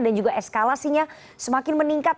dan juga eskalasinya semakin meningkat